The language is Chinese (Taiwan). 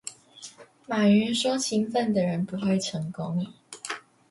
馬雲說勤奮的人不會成功